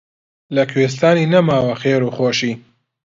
لە کوێستانی نەماوە خێر و خۆشی